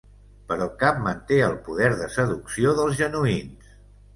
Però cap manté el poder de seducció dels genuïns.